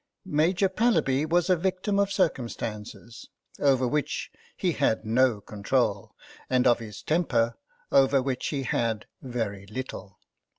Major Pallaby was a victim of circum stances, over which he had no control, and of his temper, over which he had very little.